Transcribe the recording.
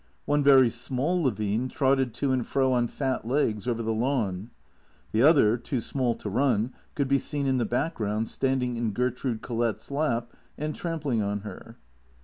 One very small Levine trotted to and fro on fat legs over the lawn. The other, too small to run, could be seen in the background, standing in Gertrude Collett's lap and trampling on her.